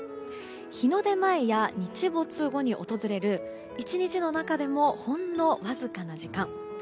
日の出前や日没後に訪れる１日の中でもほんのわずかな時間。